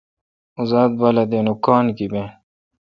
اوں زاتہ بالہ دین اوںکان گیبیں۔۔